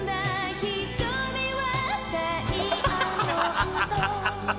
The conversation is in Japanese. ハハハハハハ。